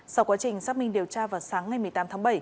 sau quá trình xác minh điều tra vào sáng ngày một mươi tám tháng bảy